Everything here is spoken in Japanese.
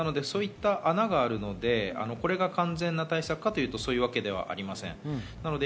そういった穴があるのでそれが完全な対策かというと、そういうわけではありません。